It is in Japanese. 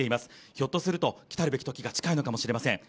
ひょっとすると、来たるべき時が近いのかもしれません。